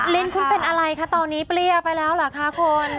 ลิ้นคุณเป็นอะไรคะตอนนี้เปรี้ยไปแล้วเหรอคะคุณ